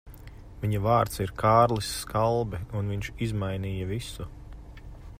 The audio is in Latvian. Viņa vārds ir Kārlis Skalbe, un viņš izmainīja visu.